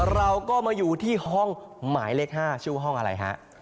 เราก็มาอยู่ที่ห้องหมายเลข๕ชื่อห้องอะไรฮะ